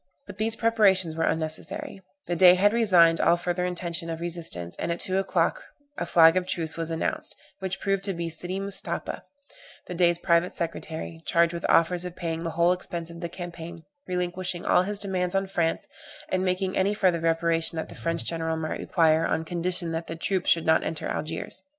But these preparations were unnecessary; the Dey had resigned all further intention of resistance, and at two o'clock a flag of truce was announced, which proved to be Sidy Mustapha, the Dey's private secretary, charged with offers of paying the whole expense of the campaign, relinquishing all his demands on France, and making any further reparation that the French general might require, on condition that the troops should not enter Algiers.